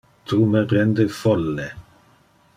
Tu me rende folle!